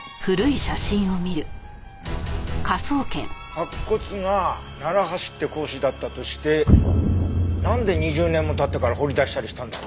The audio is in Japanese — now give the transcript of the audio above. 白骨が楢橋って講師だったとしてなんで２０年も経ってから掘り出したりしたんだろう？